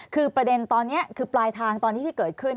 คือประเด็นตอนนี้คือปลายทางตอนนี้ที่เกิดขึ้น